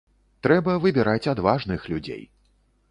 Трэба выбіраць адважных людзей.